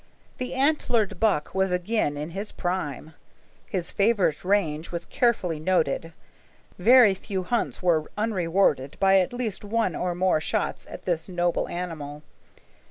The antlered buck was again in his prime. His favorite range was carefully noted. Very few hunts were unrewarded by at least one or more shots at this noble animal.